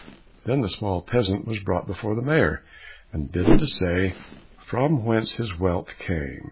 Then the small peasant was brought before the Mayor, and bidden to say from whence his wealth came.